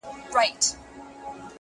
که ته نه وې یوه بل ته دښمنان دي،